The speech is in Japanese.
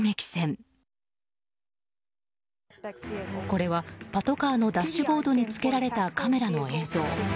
これはパトカーのダッシュボードにつけられたカメラの映像。